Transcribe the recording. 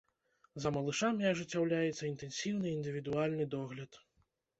За малышамі ажыццяўляецца інтэнсіўны індывідуальны догляд.